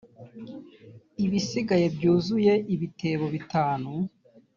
ibisigaye byuzuye ibitebo bitanu